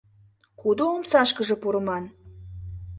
Кудо омсашкыже пурыман?